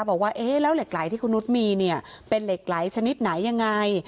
บอกว่าแล้วเหล็กไหล่ที่คุณนุ๊ตมีเป็นเหล็กไหล่ชนิดไหนยังไง